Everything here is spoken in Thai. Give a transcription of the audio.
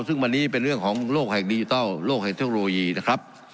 ซึ่งวันนี้เป็นเรื่องของโลกแห่งดิจิทัลโลกแห่งเทคโนโลยีนะครับ